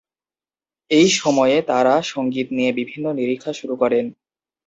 এই সময়ে তারা সঙ্গীত নিয়ে বিভিন্ন নিরীক্ষা শুরু করেন।